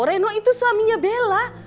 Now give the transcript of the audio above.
reno itu suaminya bella